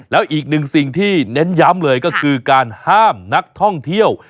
แล้วอีกหนึ่งสิ่งที่เน้นย้ำเลยก็คือการห้ามนักท่องเที่ยว